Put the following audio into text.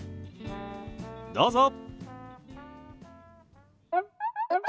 どうぞ。